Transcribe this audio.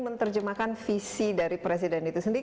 menerjemahkan visi dari presiden itu sendiri